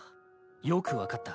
よく分かった。